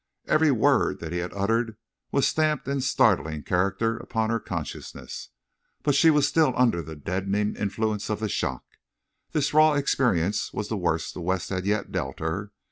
Every word that he had uttered was stamped in startling characters upon her consciousness. But she was still under the deadening influence of shock. This raw experience was the worst the West had yet dealt her.